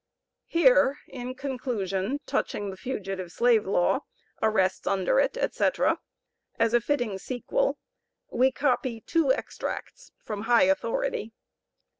Here in conclusion touching the Fugitive Slave Law, arrests under it, etc., as a fitting sequel we copy two extracts from high authority.